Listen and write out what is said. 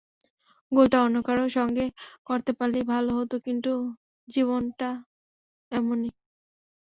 গোলটা অন্য কারও সঙ্গে করতে পারলেই ভালো হতো, কিন্তু জীবন এমনই।